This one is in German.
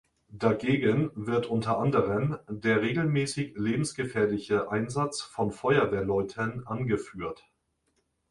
Dagegen wird unter anderem der regelmäßig lebensgefährliche Einsatz von Feuerwehrleuten angeführt.